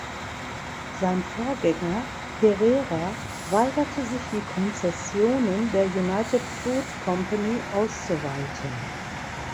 Sein Vorgänger Herrera weigerte sich die Konzessionen der United Fruit Company auszuweiten.